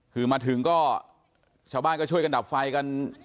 คือมาถึงก็ชาวบ้านก็ช่วยกันดับไฟกัน